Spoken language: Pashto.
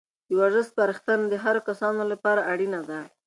د ورزش سپارښتنه د هرو کسانو لپاره اړینه ده.